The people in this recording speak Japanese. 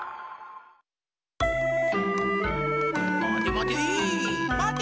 まてまて！